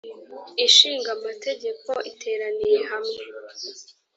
ishinga amategeko iteraniye hamwe